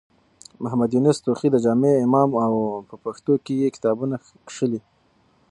محمد يونس توخى د جامع امام و او په پښتو کې يې کتابونه کښلي.